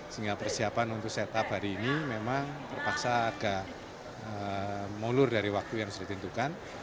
sehingga persiapan untuk set up hari ini memang terpaksa agak mulur dari waktu yang sudah ditentukan